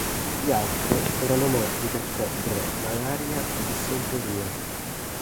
Gli altri erano morti per febbre, malaria o dissenteria.